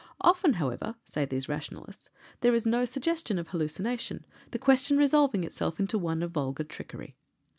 Often, however, say these Rationalists, there is no suggestion of hallucination, the question resolving itself into one of vulgar trickery.